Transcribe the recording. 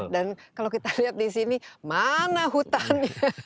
dan kalau kita lihat di sini mana hutan